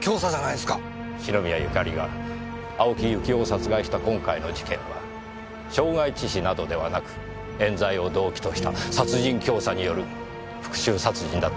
篠宮ゆかりが青木由紀男を殺害した今回の事件は傷害致死などではなく冤罪を動機とした殺人教唆による復讐殺人だったのかもしれません。